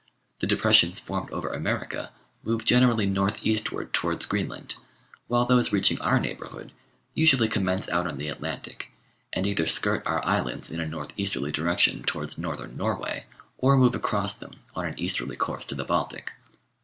The depres sions formed over America move generally north eastward to wards Greenland, while those reaching our neighbourhood usually commence out on the Atlantic, and either skirt our Islands in a north easterly direction towards northern Norway or move across them on an easterly course to the Baltic.